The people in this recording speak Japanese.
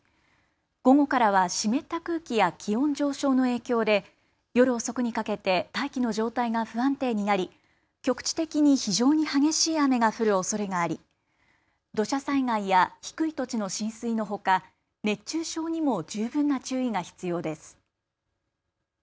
午後からは湿った空気や気温上昇の影響で夜遅くにかけて大気の状態が不安定になり局地的に非常に激しい雨が降るおそれがあり、土砂災害や低い土地の浸水のほか熱中症にも十分な注意が必要です。